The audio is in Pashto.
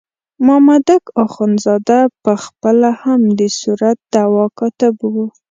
مامدک اخندزاده په خپله هم د صورت دعوا کاتب وو.